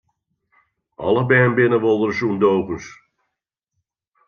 Alle bern binne wolris ûndogens.